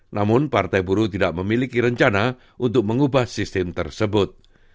namun partai buruh tidak memiliki rencana untuk mengubah sistem tersebut